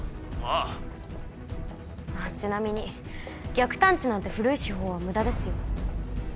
あっちなみに逆探知なんて古い手法は無駄ですよ。